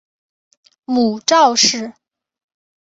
母赵氏。